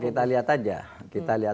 kita lihat aja perkembangannya